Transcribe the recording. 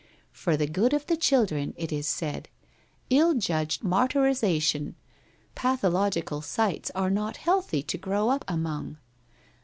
For the good of the children, it is said. Ill judged martyrization ! Pathological sights are not healthy to grow up among.